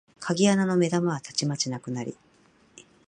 鍵穴の眼玉はたちまちなくなり、